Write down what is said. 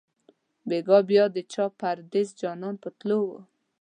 بیګا بیا د چا پردېس جانان په تلو وو